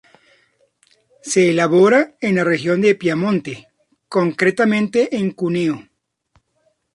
Se elabora en la región de Piamonte, concretamente en Cuneo.